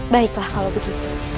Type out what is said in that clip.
baiklah kalau begitu